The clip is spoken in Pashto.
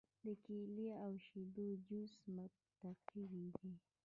د کیلې او شیدو جوس مقوي دی.